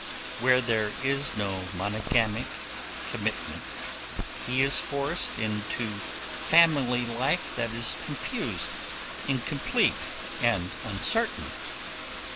Where there is no monogamic commitment, he is forced into family life that is confused, incomplete, and uncertain.